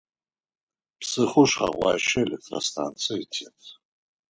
Псыхъоу Шъхьэгуащэ электростанцие тет.